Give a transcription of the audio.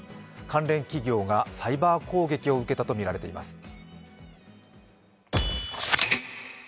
関連企業がサイバー攻撃を受けたとみられています。